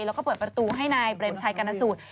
แล้วก็เปิดประตูให้นายเปรมชัยกรณสูตร